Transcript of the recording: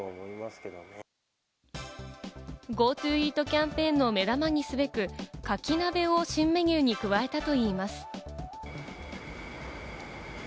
ＧｏＴｏＥａｔキャンペーンの目玉にすべく、カキ鍋を新メニューに加えたといいます。